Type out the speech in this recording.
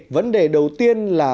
vấn đề đầu tiên là